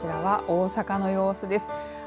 まずこちらは大阪の様子です。